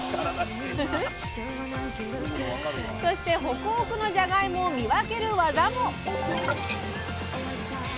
そしてホクホクのじゃがいもを見分ける技も！